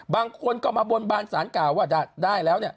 บางคนก็มาบนบทสารกลางว่าได้แล้ว